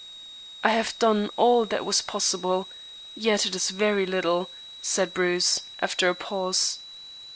"I have done all that was possible, yet it is very little," said Bruce, after a pause.